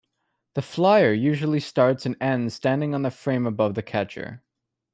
The flyer usually starts and ends standing on the frame above the catcher.